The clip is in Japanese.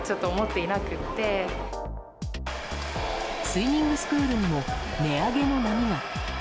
スイミングスクールにも値上げの波が。